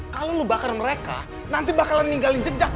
kalau lu bakar mereka nanti bakalan ninggalin jejak